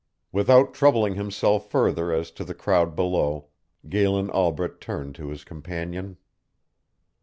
Without troubling himself further as to the crowd below, Galen Albret turned to his companion.